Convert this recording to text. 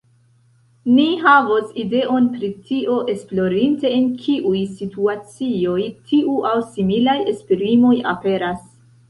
Ni havos ideon pri tio, esplorinte en kiuj situacioj tiu aŭ similaj esprimoj aperas.